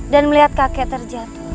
dan melihat kakek terjatuh